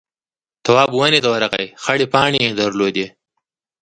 تواب ونې ته ورغئ خړې پاڼې يې درلودې.